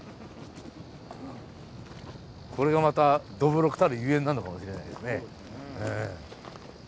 これがまたどぶろくたるゆえんなのかもしれないですね。